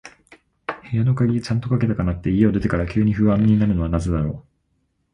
部屋の鍵、ちゃんとかけたかなって、家を出てから急に不安になるのはなぜだろう。